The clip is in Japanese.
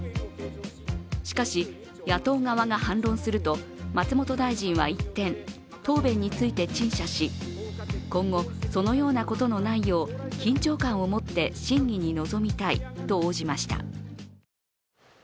しかし野党側が反論すると松本大臣は一転答弁について陳謝し今後、そのようなことのないよう緊張感を持って審議に臨みたいと応じました。